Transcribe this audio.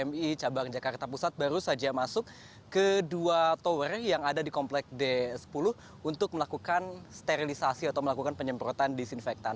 pmi cabang jakarta pusat baru saja masuk ke dua tower yang ada di komplek d sepuluh untuk melakukan sterilisasi atau melakukan penyemprotan disinfektan